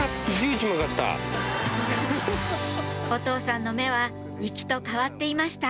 お父さんの目は行きと変わっていました